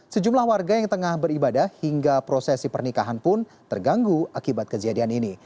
sejumlah warga yang tengah beribadah hingga prosesi pernikahan pun terganggu akibat kejadian ini